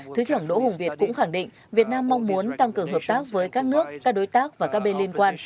thứ trưởng đỗ hùng việt cũng khẳng định việt nam mong muốn tăng cường hợp tác với các nước các đối tác và các bên liên quan